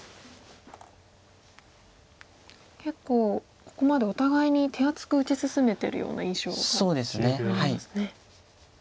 結構ここまでお互いに手厚く打ち進めてるような印象がありますね。